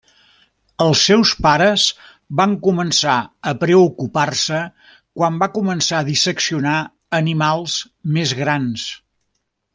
Els seus pares van començar a preocupar-se quan va començar a disseccionar animals més grans.